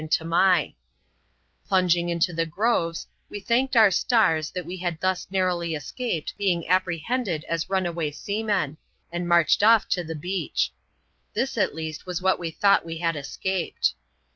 B€T Plunging into the groves, we thanked our stars that we had thus narrowly escaped being apprehended as runaway seamen, and marched off to the beach. This, at least, was what we thought we had escaped.